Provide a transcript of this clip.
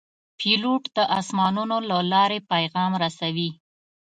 پیلوټ د آسمانونو له لارې پیغام رسوي.